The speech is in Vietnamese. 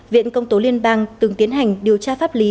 viện công tố liên bang từng tiến hành điều tra pháp lý